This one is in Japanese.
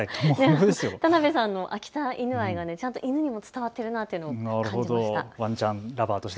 田鍋さんの秋田犬愛がちゃんと犬にも伝わってるなと感じました。